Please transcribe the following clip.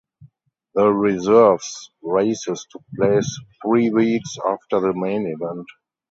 The reserves races took place three weeks after the main event.